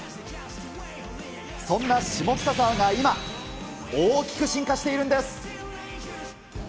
そんな下北沢が今、大きく進化しているんです。